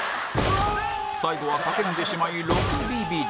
最後は叫んでしまい６ビビリ